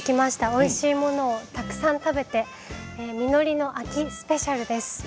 おいしいものをたくさん食べて実りの秋スペシャルです。